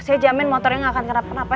saya jamin motornya ga akan kenapa napa